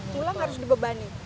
tulang harus dibebani